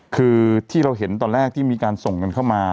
คือที่เราเห็นตอนแรกที่มีการส่งกันเข้ามา